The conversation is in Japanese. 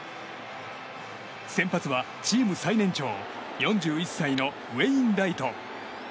先発はチーム最年長４１歳のウェインライト。